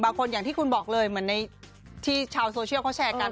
อย่างที่คุณบอกเลยเหมือนในที่ชาวโซเชียลเขาแชร์กัน